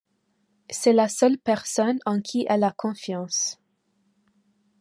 C'est la seule personne en qui elle a confiance.